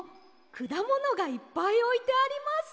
くだものがいっぱいおいてあります。